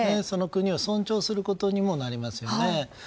その国を尊重することにもなりますよね。